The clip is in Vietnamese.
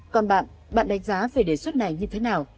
còn bạn bạn đánh giá về đề xuất này như thế nào